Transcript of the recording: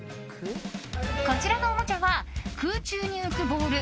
こちらのおもちゃは空中に浮くボール